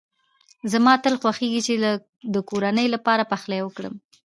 زما تل خوښېږی چي د کورنۍ لپاره پخلی وکړم.